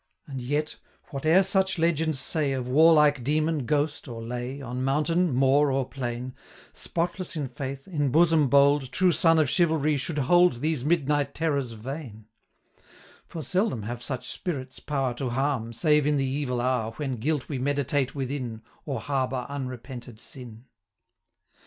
470 And yet, whate'er such legends say, Of warlike demon, ghost, or lay, On mountain, moor, or plain, Spotless in faith, in bosom bold, True son of chivalry should hold 475 These midnight terrors vain; For seldom have such spirits power To harm, save in the evil hour, When guilt we meditate within, Or harbour unrepented sin.'